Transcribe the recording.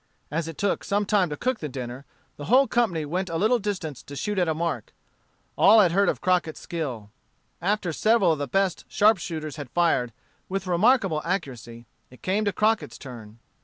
As it took some time to cook the dinner, the whole company went to a little distance to shoot at a mark. All had heard of Crockett's skill. After several of the best sharpshooters had fired, with remarkable accuracy, it came to Crockett's turn.